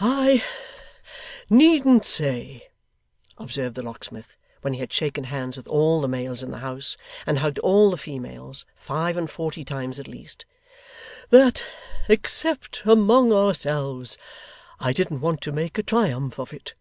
'I needn't say,' observed the locksmith, when he had shaken hands with all the males in the house, and hugged all the females, five and forty times, at least, 'that, except among ourselves, I didn't want to make a triumph of it.